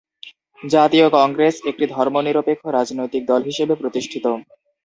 জাতীয় কংগ্রেস একটি ধর্মনিরপেক্ষ রাজনৈতিক দল হিসেবে প্রতিষ্ঠিত।